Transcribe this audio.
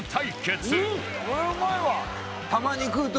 これうまいわ！